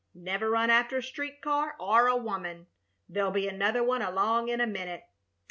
'Never run after a street car or a woman. There'll be another one along in a minute.'